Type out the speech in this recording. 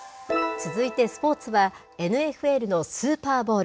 続いてスポーツは、ＮＦＬのスーパーボウル。